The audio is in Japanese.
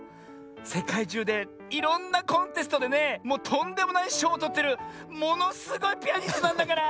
せかいじゅうでいろんなコンテストでねもうとんでもないしょうをとってるものすごいピアニストなんだから！